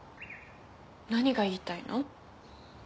何が言いたいの？